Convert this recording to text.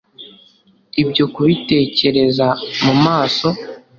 Ibyo kubitekereza mumaso